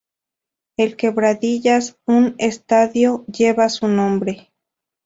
En Quebradillas un estadio lleva su nombre.